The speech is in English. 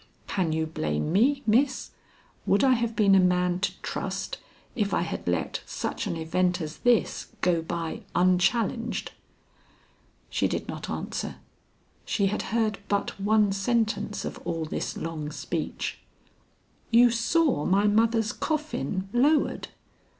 Can you blame me, Miss? Would I have been a man to trust if I had let such an event as this go by unchallenged?" She did not answer. She had heard but one sentence of all this long speech. "You saw my mother's coffin lowered?